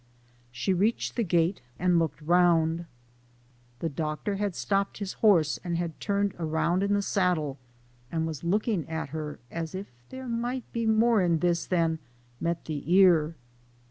She reached the gate and looked round; the Doctor had stopped his horse, and had turned around in the saddle, and was looking at her as if there might be more in this than " met the ear."